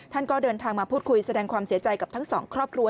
ท่านก็เดินทางมาพูดคุยแสดงความเสียใจกับทั้งสองครอบครัว